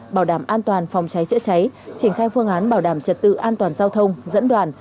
bảo đảm an toàn phòng cháy chữa cháy triển khai phương án bảo đảm trật tự an toàn giao thông dẫn đoàn